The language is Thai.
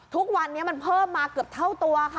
ทุกวันนี้มันเพิ่มมาเกือบเท่าตัวค่ะ